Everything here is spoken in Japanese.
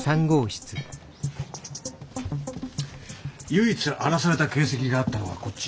唯一荒らされた形跡があったのはこっち。